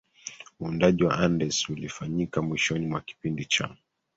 uundaji wa Andes ulifanyika mwishoni mwa Kipindi cha